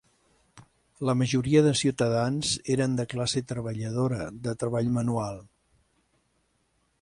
La majoria dels ciutadans eren de classe treballadora de treball manual.